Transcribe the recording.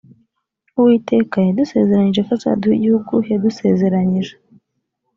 uwiteka yadusezeranyije ko azaduha igihugu yadusezeranyije